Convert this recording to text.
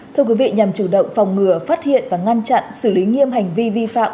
thưa quý vị nhằm chủ động phòng ngừa phát hiện và ngăn chặn xử lý nghiêm hành vi vi phạm